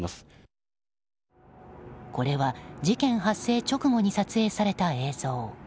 これは事件発生直後に撮影された映像。